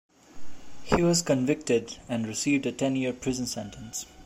He was convicted, and received a ten-year prison sentence.